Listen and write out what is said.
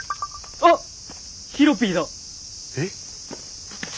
あっヒロピーだ！え？